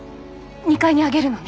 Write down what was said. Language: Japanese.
２階に上げるのね。